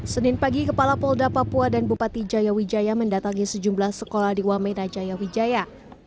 senin pagi kepala polda papua dan bupati jaya wijaya mendatangi sejumlah sekolah di wamena jaya wijaya